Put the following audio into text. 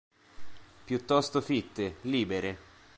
Piuttosto fitte, libere.